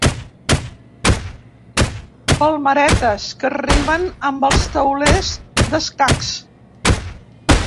Palmeretes que rimen amb els taulers d'escacs.